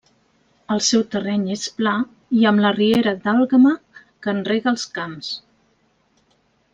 El seu terreny és pla i amb la riera d'Àlguema que en rega els camps.